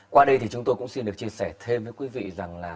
qua đây thì chúng tôi cũng xin được chia sẻ thêm với quý vị rằng là